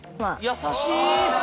優しい！